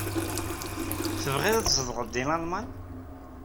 Tebɣiḍ ad tzedɣeḍ deg Lalman?